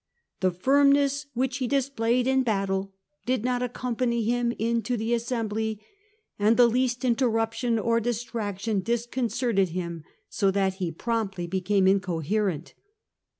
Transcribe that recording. " The firmness which he displayed in battle did not accompany him into the assembly, and the least interruption or distraction disconcerted him, so that he promptly became incoherent."